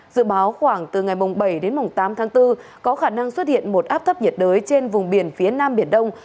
dự báo khoảng từ ngày bảy đến tám tháng bốn có khả năng xuất hiện một áp thấp nhiệt đới trên vùng biển phía nam biển đông